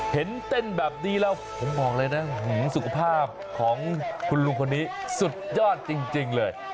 เห็นเต้นแบบนี้แล้วผมบอกเลยนะสุขภาพของคุณลุงคนนี้สุดยอดจริงเลย